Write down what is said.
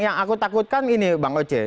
yang aku takutkan ini bang oce